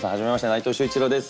内藤秀一郎です。